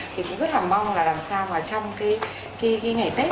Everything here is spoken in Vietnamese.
thì cũng rất là mong là làm sao mà trong cái ngày tết